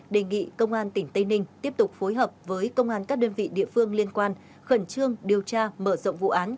đề nghị công an tỉnh tây ninh tiếp tục phối hợp với công an các đơn vị địa phương liên quan khẩn trương điều tra mở rộng vụ án